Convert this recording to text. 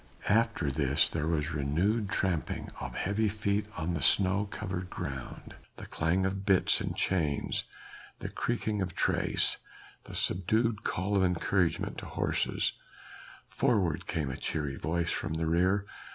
After this there was renewed tramping of heavy feet on the snow covered ground, the clang of bits and chains, the creaking of trace, the subdued call of encouragement to horses: "Forward!" came a cheery voice from the rear.